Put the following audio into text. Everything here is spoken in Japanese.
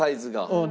うん。